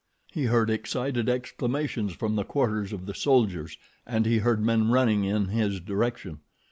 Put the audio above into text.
He heard excited exclamations from the quarters of the soldiers and he heard men running in his direction.